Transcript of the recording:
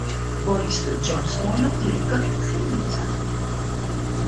Borisu Džonsonu ielika slimnīcā.